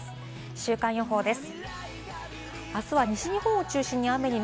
週間予報です。